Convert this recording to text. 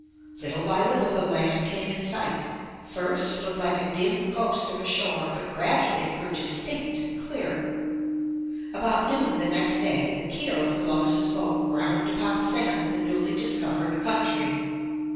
Little by little the land came in sight. First it looked like a dim ghost of a shore, but gradually it 214 UP ONE PAIR OF STAIRS grew distinct and clear. About noon the next day, the keel of Columbus* boat ground upon the sand of the newly discovered country.